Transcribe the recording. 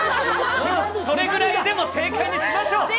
それぐらいでも正解にしましょう。